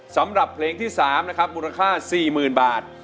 สำหรับเพลงที่๓นะครับมูลค่า๔๐๐๐บาท